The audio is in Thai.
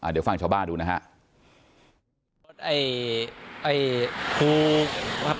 เดี๋ยวฟังชาวบ้านดูนะครับ